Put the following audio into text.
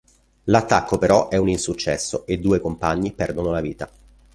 L'attacco però è un insuccesso e i due compagni perdono la vita.